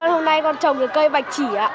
hôm nay con trồng cây bạch chỉ